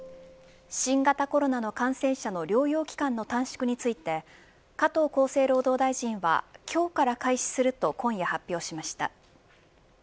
新型コロナの感染者の療養期間の短縮について加藤厚生労働大臣は今日から開始すると今夜発表しました。